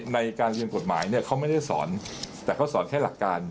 ในการเรียนกฎหมายเนี่ยเขาไม่ได้สอนแต่เขาสอนแค่หลักการ